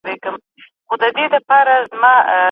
مخکي خلګو دا عرفونه نه پرېښودل.